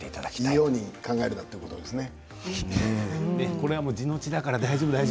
いいように考えるなということですね。